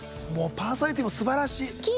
パーソナリティーも素晴らしい。